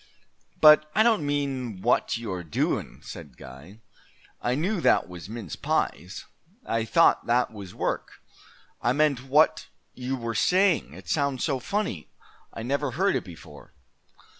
"But I don't mean what you are doin'," said Guy. "I knew that was mince pies. I thought that was work. I meant what you were saying. It sounds so funny! I never heard it before."